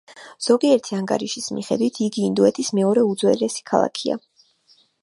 ზოგიერთი ანგარიშის მიხედვით, იგი ინდოეთის მეორე უძველესი ქალაქია.